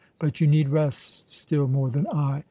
But you need rest still more than I.